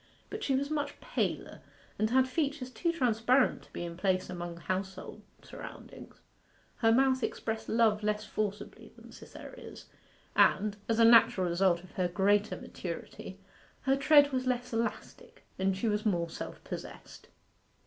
But she was much paler, and had features too transparent to be in place among household surroundings. Her mouth expressed love less forcibly than Cytherea's, and, as a natural result of her greater maturity, her tread was less elastic, and she was more self possessed.